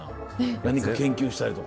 何か研究したりとか。